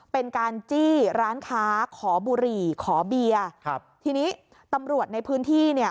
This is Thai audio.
เป็นการจี้ร้านค้าขอบุหรี่ขอเบียร์ครับทีนี้ตำรวจในพื้นที่เนี่ย